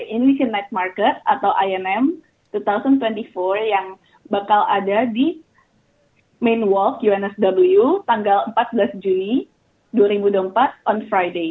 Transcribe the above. ini si night market atau inm dua ribu dua puluh empat yang bakal ada di main walk unsw tanggal empat belas juni dua ribu empat on friday